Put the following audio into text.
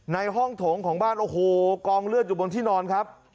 ในห้องโถงของบ้านโอ้โหกองเลือดอยู่บนที่นอนครับ